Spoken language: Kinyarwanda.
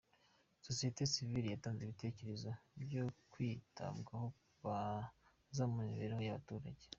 Sosiyete sivile yatanze ibitekerezo byakwitabwaho mu kuzamura imibereho y’abaturage